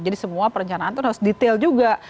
jadi semua perencanaan tuh harus detail juga